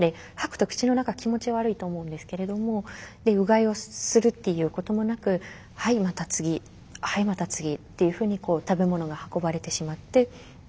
吐くと口の中気持ち悪いと思うんですけれどもうがいをするっていうこともなくはいまた次はいまた次っていうふうに食べ物が運ばれてしまって。